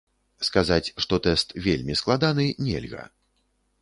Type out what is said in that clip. Сказаць, што тэст вельмі складаны, нельга.